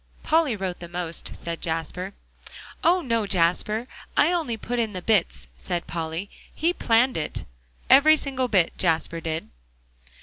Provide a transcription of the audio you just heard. "Polly wrote the most," said Jasper. "Oh, no, Jasper! I only put in the bits," said Polly. "He planned it? every single bit, Jasper did."